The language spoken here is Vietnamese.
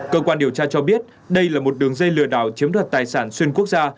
cơ quan điều tra cho biết đây là một đường dây lừa đảo chiếm đoạt tài sản xuyên quốc gia